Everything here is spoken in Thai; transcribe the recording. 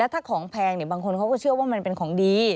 ถ้าของแพงบางคนเขาก็เชื่อว่ามันเป็นของดี